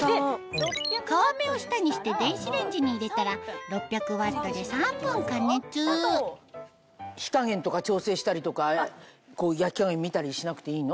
皮目を下にして電子レンジに入れたら火加減とか調整したりとか焼き加減見たりしなくていいの？